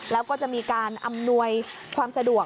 แล้วก็จะมีการอำนวยความสะดวก